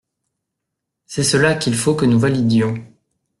C’est cela qu’il faut que nous validions.